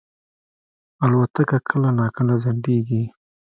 الوتکه کله ناکله ځنډېږي.